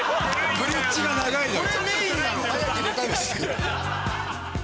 ブリッジ長いのよ。